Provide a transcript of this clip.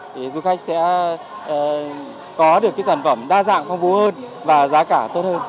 thì du khách sẽ có được cái sản phẩm đa dạng phong phú hơn và giá cả tốt hơn